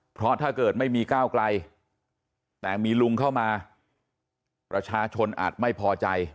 เพราะถ้าเกิดไม่มีก้าวไกลแต่มีลุงเข้ามาประชาชนอาจไม่พอใจ